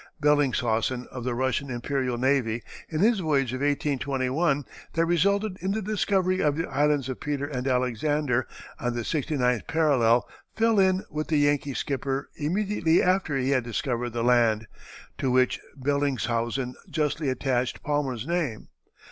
Bellingshausen, of the Russian Imperial Navy, in his voyage of 1821, that resulted in the discovery of the islands of Peter and Alexander, on the sixty ninth parallel, fell in with the Yankee skipper immediately after he had discovered the land, to which Bellingshausen justly attached Palmer's name.